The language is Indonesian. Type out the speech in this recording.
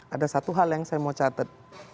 ada satu hal yang saya mau catat